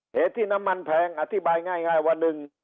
เหตุที่น้ำมันแพงอธิบายง่ายว่าหนึ่ง